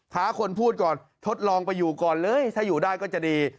้าคนพูดก่อนทดลองไปอยู่ก่อนเลยถ้าอยู่ได้ก็จะดี